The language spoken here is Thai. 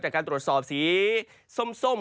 จากการตรวจสอบสีซ้ม